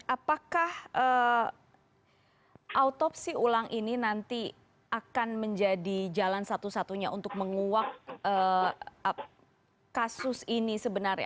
apakah autopsi ulang ini nanti akan menjadi jalan satu satunya untuk menguak kasus ini sebenarnya